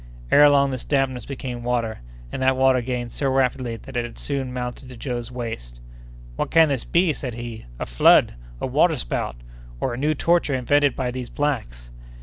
Ere long this dampness became water, and that water gained so rapidly that it had soon mounted to Joe's waist. "What can this be?" said he; "a flood! a water spout! or a new torture invented by these blacks?